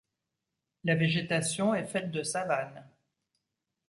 La végétation est faite de savanes.